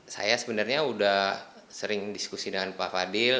saya sebenarnya sudah sering diskusi dengan pak fadil